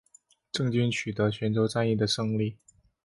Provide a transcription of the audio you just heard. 郑军取得泉州战役的胜利。